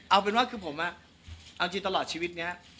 เอาเป็นว่าอะที่ผมแต่ตลอดชีวิตเนี่ย